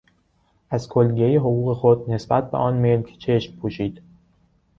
از کلیهی حقوق خود نسبت به آن ملک چشم پوشید.